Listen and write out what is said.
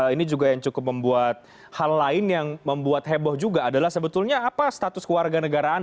ini juga yang cukup membuat hal lain yang membuat heboh juga adalah sebetulnya apa status keluarga negaraan